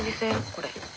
これ。